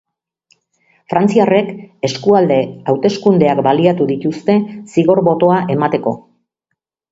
Frantziarrek eskualde hauteskundeak baliatu dituzte zigor botoa emateko.